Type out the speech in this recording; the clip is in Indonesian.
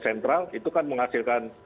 terima kasih pak